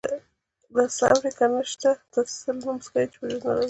داسې څه اوري چې نه شته، داسې څه لمس کوي چې وجود نه لري.